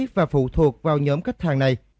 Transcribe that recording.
và phụ thuộc vào nhóm khách hàng này